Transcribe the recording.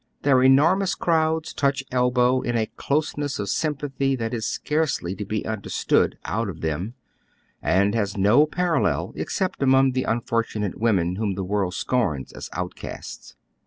Their enormous crowds touch elbow in a closeness of sympathy that is scarcely to be understood out of tliem, and has no parallel except among the unfor tunate women whom the world scorns as outcasts.